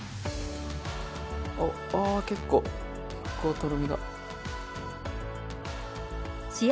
ああ結構とろみが。